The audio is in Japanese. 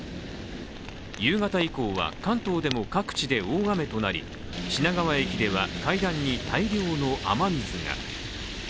夕方以降は関東でも各地で大雨となり品川駅では、階段に大量の雨水が。